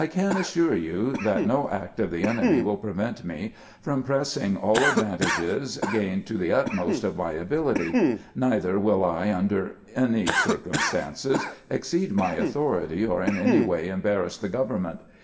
can assure you that no act of the enemy wUl prevent me from pressing all advantages gained to the utmost of my ability ; neither will I, under any cir cumstances, exceed my authority or in any way embar rass the government.